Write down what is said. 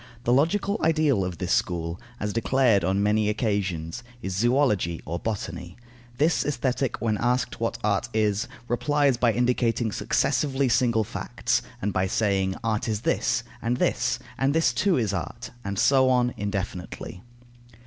The logical ideal of this school, as declared on many occasions, is zoology or botany. This Aesthetic, when asked what art is, replies by indicating successively single facts, and by saying: "Art is this, and this, and this too is art," and so on, indefinitely.